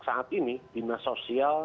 saat ini dinas sosial